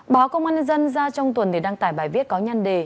báo công an dân ra trong tuần để đăng tải bài viết có nhân đề